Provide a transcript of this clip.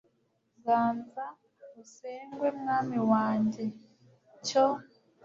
ganza usengwe mwami wanjye, cyo